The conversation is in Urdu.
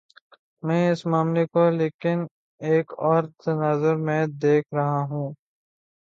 میں اس معاملے کو لیکن ایک اور تناظر میں دیکھ رہا ہوں۔